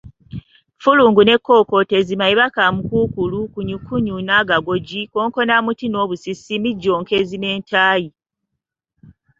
"Ffulungu n’ekookootezi, Mayiba kamukuukulu, Kkunyukkunyu n’agagogi, Konkonamuti n’obusisi, Mijjonkezi n’entayi."